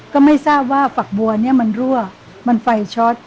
ก็ไม่ทราบว่าฝักบัวเนี่ยมันรั่วมันไฟช็อต